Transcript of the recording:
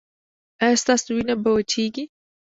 ایا ستاسو وینه به وچیږي؟